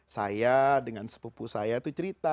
saya dengan sepupu saya itu cerita